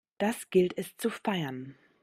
Das gilt es zu feiern!